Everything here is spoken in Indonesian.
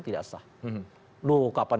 tidak sah loh kapan